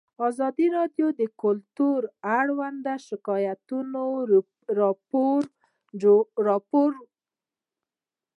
ازادي راډیو د کلتور اړوند شکایتونه راپور کړي.